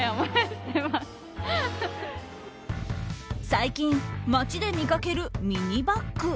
最近、街で見かけるミニバッグ。